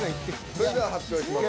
それでは発表します。